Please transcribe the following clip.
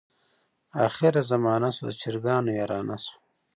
اخره زمانه شوه، د چرګانو یارانه شوه.